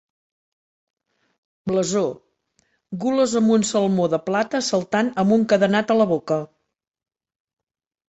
Blasó: Gules amb un salmó de plata saltant amb un cadenat a la boca.